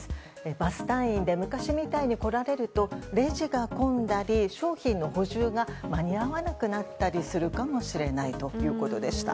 バス単位で昔みたいに来られるとレジが混んだり商品の補充が間に合わなくなったりするということでした。